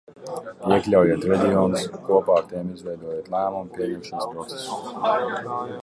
Iekļaujiet reģionus, kopā ar tiem izveidojiet lēmumu pieņemšanas procesus.